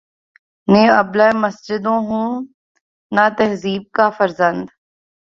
نے ابلۂ مسجد ہوں نہ تہذیب کا فرزند